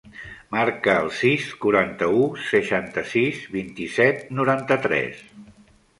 Marca el sis, quaranta-u, seixanta-sis, vint-i-set, noranta-tres.